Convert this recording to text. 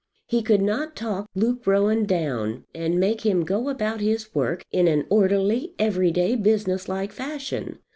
He could not talk Luke Rowan down, and make him go about his work in an orderly, every day, business like fashion.